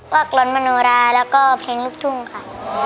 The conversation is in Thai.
อกล้นมโนราแล้วก็เพลงลูกทุ่งค่ะ